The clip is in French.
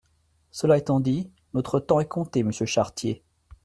Cela étant dit, notre temps est compté, monsieur Chartier.